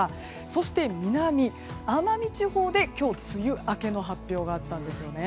そして、南、奄美地方で今日梅雨明けの発表があったんですよね。